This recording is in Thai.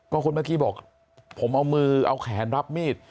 คนเมื่อกี้บอกผมเอามือเอาแขนรับมีด